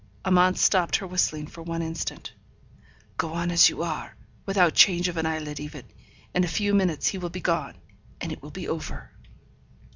Amante stopped her whistling for one instant. 'Go on as you are, without change of an eyelid even; in a few minutes he will be gone, and it will be over!'